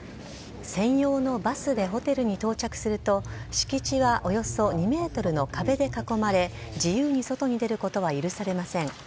専用のバスでホテルに到着すると、敷地はおよそ２メートルの壁で囲まれ、自由に外に出ることは許されません。